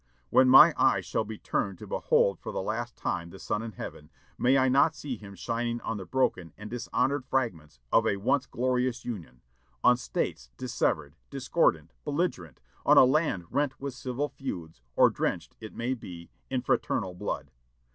"When my eyes shall be turned to behold for the last time the sun in heaven, may I not see him shining on the broken and dishonored fragments of a once glorious Union; on States dissevered, discordant, belligerent; on a land rent with civil feuds, or drenched, it may be, in fraternal blood!